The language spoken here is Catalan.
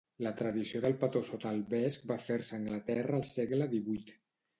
La tradició del petó sota el vesc va fer-se a Anglaterra el segle divuit